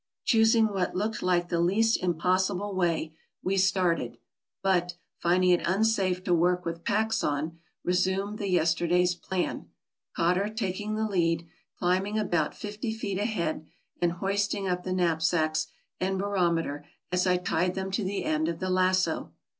Choosing what looked like the least impossible way, we started ; but, finding it unsafe to work with packs on, resumed the yesterday's plan — Cotter taking the lead, climbing about fifty feet ahead, and hoisting up the knapsacks and barom eter as I tied them to the end of the lasso.